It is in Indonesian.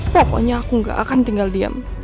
pokoknya aku gak akan tinggal diam